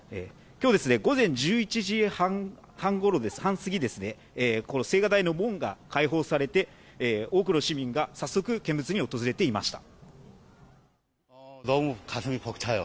今日午前１１時半すぎ、この青瓦台の門が開放され多くの市民が早速、見物に訪れていました。